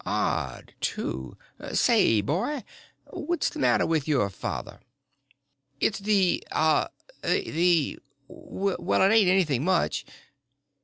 Odd, too. Say, boy, what's the matter with your father?" "It's the—a—the—well, it ain't anything much."